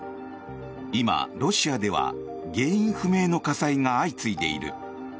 今、ロシアでは原因不明の火災が相次いでいる。